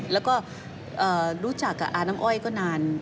แล้วก็รู้จักกับอาน้ำอ้อยก็นาน